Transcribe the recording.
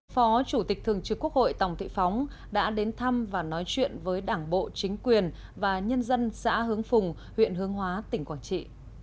phó chủ tịch thường trực quốc hội tòng thị phóng đã đến thăm và nói chuyện với đảng bộ chính quyền và nhân dân xã hướng phùng huyện hướng hóa tỉnh quảng trị